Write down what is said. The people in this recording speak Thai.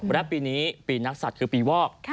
และปีนี้ปีนักศัตริย์คือปีวอก